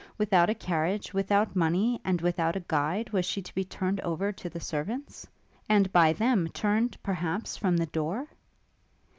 Without a carriage, without money, and without a guide, was she to be turned over to the servants? and by them turned, perhaps, from the door?